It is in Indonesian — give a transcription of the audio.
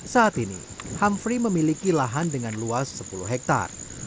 saat ini hamfri memiliki lahan dengan luas sepuluh hektare